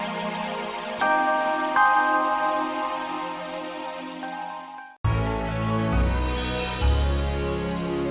tidak ya uit lah